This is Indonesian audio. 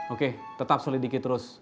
oke tetap sulit dikit terus